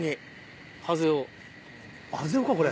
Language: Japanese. ハゼ雄かこれ。